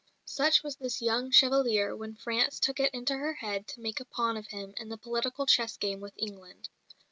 Such was this "Young Chevalier" when France took it into her head to make a pawn of him in the political chess game with England.